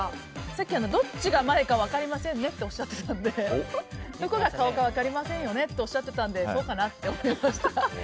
さっきどっちが前か分かりませんっておっしゃってたのでどこが顔か分かりませんよねっておっしゃってたのでそうかなって思いました。